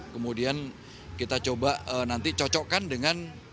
kemudian kita coba nanti cocokkan dengan